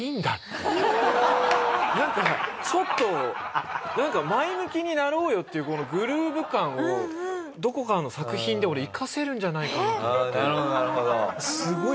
なんかちょっと前向きになろうよっていうこのグルーヴ感をどこかの作品で俺生かせるんじゃないかなと思って。